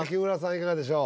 いかがでしょう？